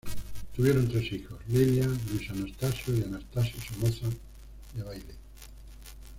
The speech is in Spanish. Tuvieron tres hijos: Lillian, Luis Anastasio y Anastasio Somoza Debayle.